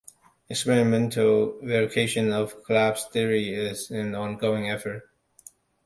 Experimental verification of collapse theories is an ongoing effort.